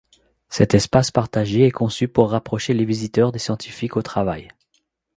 Cet espace partagé est conçu pour rapprocher les visiteurs des scientifiques au travail.